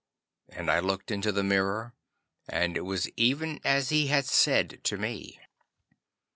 And I looked into the mirror, and it was even as he had said to me.